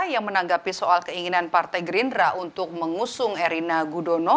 yang menanggapi soal keinginan partai gerindra untuk mengusung erina gudono